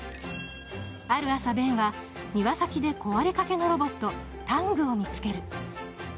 ある朝、ベンは庭先で壊れかけのロボット・タングを見つける。